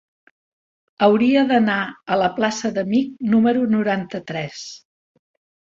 Hauria d'anar a la plaça d'Amich número noranta-tres.